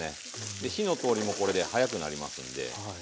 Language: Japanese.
火の通りもこれで早くなりますので。